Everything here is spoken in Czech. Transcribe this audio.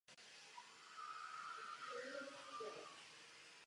Počet jejich dětí není znám.